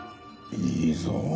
いいぞ。